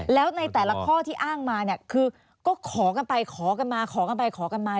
แล้วในแต่ละข้อที่อ้างมาเนี่ยคือก็ขอกันไปขอกันมาขอกันไปขอกันมา